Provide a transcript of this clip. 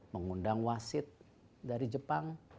mengundang wasit dari jepang